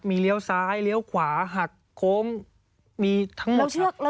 เลี้ยวซ้ายเลี้ยวขวาหักโค้งมีทั้งหมด